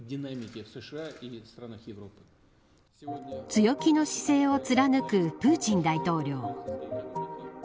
強気の姿勢を貫くプーチン大統領。